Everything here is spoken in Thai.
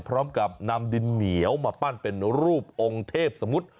พร้อมกับนำดินเหนียวมาปั้นเป็นรูปองค์เทพสมมุติ